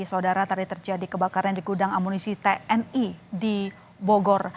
saudara tadi terjadi kebakaran di gudang amunisi tni di bogor